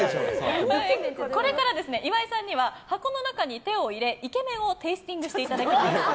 これから岩井さんには箱の中に手を入れイケメンをテイスティングしていただきます。